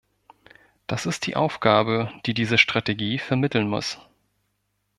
Das ist die Aufgabe, die diese Strategie vermitteln muss.